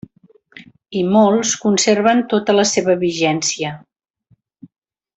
I molts conserven tota la seva vigència.